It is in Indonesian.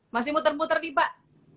masih muter muter nih pak